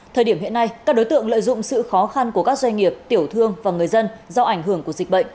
thời điểm hiện nay các đối tượng lợi dụng sự khó khăn của các doanh nghiệp tiểu thương và người dân do ảnh hưởng của dịch bệnh